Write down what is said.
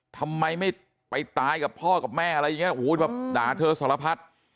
ทำไมไม่ไปตายกับพ่อกับแม่อะไรอย่างนี้ด่าเธอสารพัด